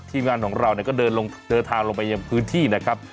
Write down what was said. ทีมงานของเราก็เดินทางลงไปยังพื้นที่นะครับ